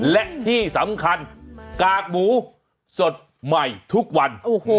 และที่สำคัญกากหมูสดใหม่ทุกวัน